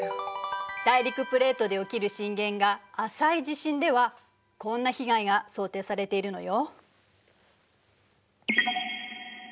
大陸プレートで起きる震源が浅い地震ではこんな被害が想定されているのよ。